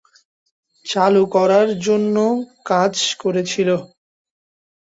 চালু করার জন্য কাজ করেছিল।